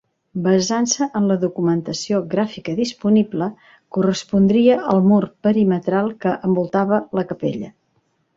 Basant-se en la documentació gràfica disponible, correspondria al mur perimetral que envoltava la capella.